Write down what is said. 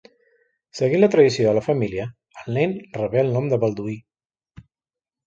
Seguint la tradició de la família, el nen rebé el nom de Balduí.